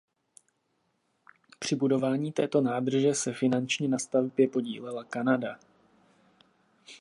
Při budování této nádrže se finančně na stavbě podílela Kanada.